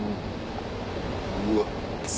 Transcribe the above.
うわっ！